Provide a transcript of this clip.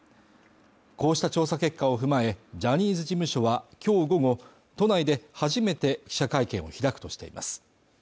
こうした調査結果を踏まえジャニーズ事務所はきょう午後都内で初めて記者会見を開くとしています